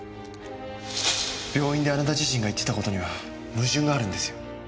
病院であなた自身が言ってた事には矛盾があるんですよ。